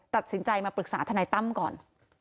ตัดสินใจมาปรึกษาทนายตั้มก่อน